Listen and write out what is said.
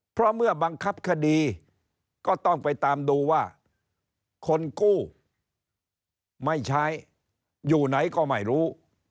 เพราะเมื่อบังคับคดีก็ต้องไปตามดูว่าคนกู้ไม่ใช้อยู่ไหนก็ไม่รู้